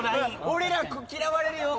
俺ら嫌われるよ。